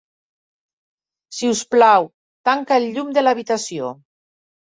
Si us plau, tanca el llum de l'habitació.